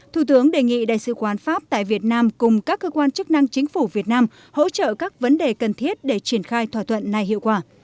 thủ tướng đề nghị đại sứ quán pháp tại việt nam cùng các cơ quan chức năng chính phủ việt nam hỗ trợ các vấn đề cần thiết để triển khai thỏa thuận này hiệu quả